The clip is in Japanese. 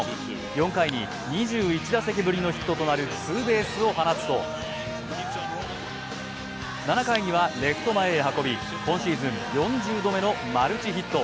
４回に２１打席ぶりのヒットとなるツーベースを放つと７回には、レフト前へ運び、今シーズン４０度目のマルチヒット。